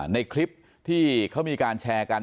ในคลิปที่เขามีการแชร์กัน